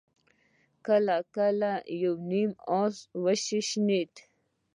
کله کله به يو نيم آس وشڼېد.